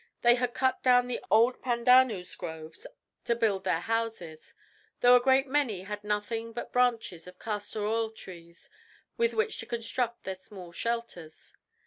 They had cut down the old pandanus groves to build their houses, though a great many had nothing but branches of castor oil trees with which to construct their small shelters.